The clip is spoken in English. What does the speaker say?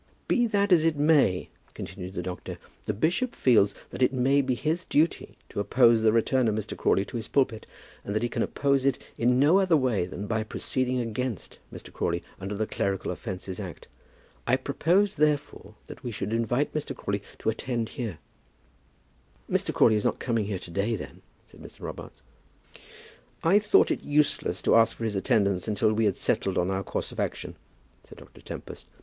"Be that as it may," continued the doctor, "the bishop feels that it may be his duty to oppose the return of Mr. Crawley to his pulpit, and that he can oppose it in no other way than by proceeding against Mr. Crawley under the Clerical Offences Act. I propose, therefore, that we should invite Mr. Crawley to attend here " "Mr. Crawley is not coming here to day, then?" said Mr. Robarts. "I thought it useless to ask for his attendance until we had settled on our course of action," said Dr. Tempest.